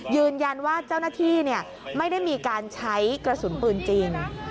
ยืนยันว่าเจ้าหน้าที่ไม่ได้มีการใช้กระสุนปืนจริง